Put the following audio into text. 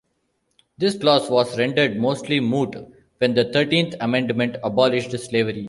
This clause was rendered mostly moot when the Thirteenth Amendment abolished slavery.